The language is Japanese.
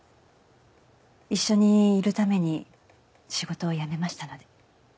一緒にいるために仕事を辞めましたので。